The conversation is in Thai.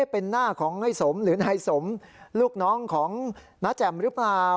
เป็นหน้าของนายสมหรือนายสมลูกน้องของน้าแจ่มหรือเปล่า